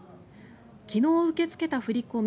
昨日受け付けた振り込み